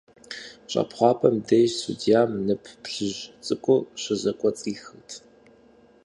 ЩӀэпхъуапӀэм деж судьям нып плъыжь цӀыкӀур щызэкӀуэцӀихырт.